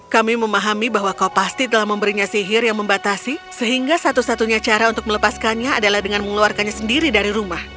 kami memahami bahwa kau pasti telah memberinya sihir yang membatasi sehingga satu satunya cara untuk melepaskannya adalah dengan mengeluarkannya sendiri dari rumah